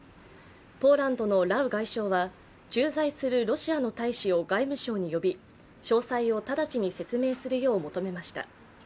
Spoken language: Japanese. ポーランドのラウ外相は駐在するロシアの大使を外務省に呼び、詳細を直ちに説明するよう求めました。